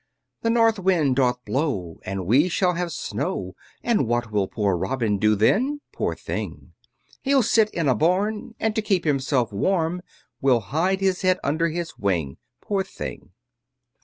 The north wind doth blow, And we shall have snow, And what will poor Robin do then? Poor thing! He'll sit in a barn, And to keep himself warm, Will hide his head under his wing, Poor thing!